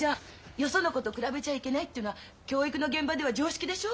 よその子と比べちゃいけないっていうのは教育の現場では常識でしょ？